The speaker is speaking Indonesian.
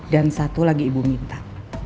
dan satu lagi ibu minta